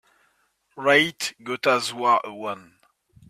Rate Gota's War a one